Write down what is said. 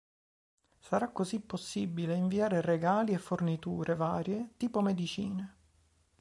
Sarà così possibile inviare regali e forniture varie tipo medicine.